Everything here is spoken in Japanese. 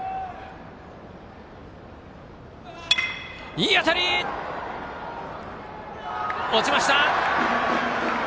いい当たり！落ちました。